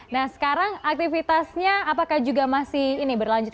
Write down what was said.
nah sekarang aktivitasnya apakah masih berlanjut